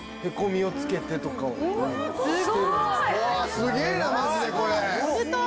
すげぇなマジでこれ！